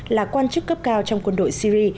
là quan chức cấp cao trong quân đội syri